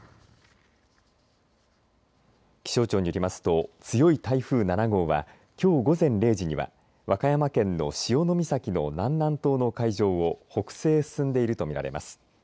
気象庁によりますと強い台風７号はきょう午前０時には和歌山県の潮岬の南南東の海上を北西へ進んでいると見られます。